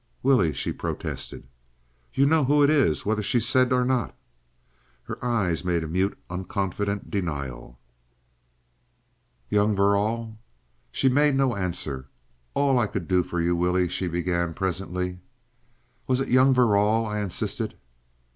"Willie!" she protested. "You know who it is, whether she said or not?" Her eyes made a mute unconfident denial. "Young Verrall?" She made no answer. "All I could do for you, Willie," she began presently. "Was it young Verrall?" I insisted.